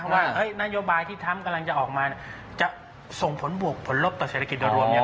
ว่านโยบายที่ทรัมป์กำลังจะออกมาจะส่งผลบวกผลลบต่อเศรษฐกิจโดยรวมเนี่ย